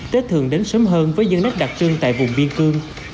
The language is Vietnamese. tết thường đến sớm hơn với những nét đặc trưng tại vùng biên cương